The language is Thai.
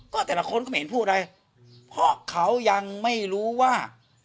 ก็แต่ละคนก็ไม่เห็นพูดอะไรเพราะเขายังไม่รู้ว่า